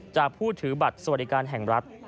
ผู้ถือบัตรสวัสดิการแห่งรัฐ